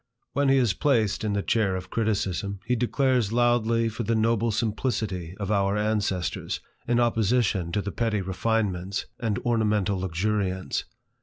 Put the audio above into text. When he is placed in the chair of criticism, he declares loudly for the noble simplicity of our ancestors, in opposition to the petty refinements and ornamental luxuriance.